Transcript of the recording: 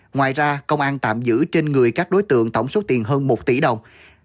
ngoài ra công an tạm giữ trên người các đối tượng tổng số tiền hơn một tỷ đồng